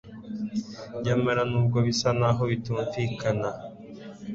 nyamara nubwo bisa naho bitumvikana